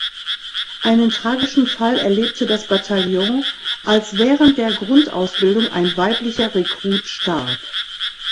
Einen tragischen Fall erlebte das Bataillon, als während der Grundausbildung ein weiblicher Rekrut starb.